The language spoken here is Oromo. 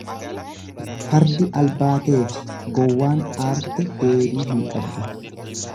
Fardi albaateefi gowwaan aarte deebii hin qabdu.